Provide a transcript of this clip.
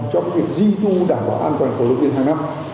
cho việc di tu đảm bảo an toàn cầu long biên hàng năm